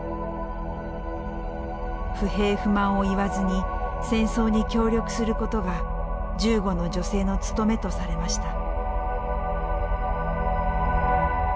不平不満を言わずに戦争に協力することが銃後の女性の務めとされました。